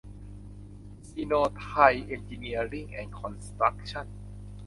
ซิโน-ไทย เอ็นจีเนียริ่งแอนด์คอนสตรัคชั่น